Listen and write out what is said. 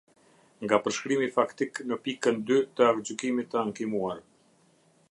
Nga përshkrimi faktik në pikë dy të aktgjykimit të ankimuar.